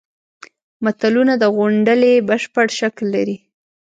متلونه د غونډلې بشپړ شکل لري